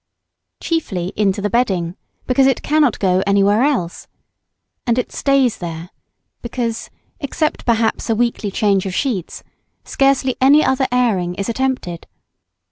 Chiefly into the bedding, because it cannot go anywhere else. And it stays there; because, except perhaps a weekly change of sheets, scarcely any other airing is attempted.